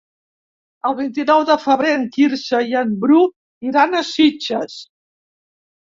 El vint-i-nou de febrer en Quirze i en Bru iran a Sitges.